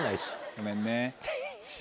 ごめんね。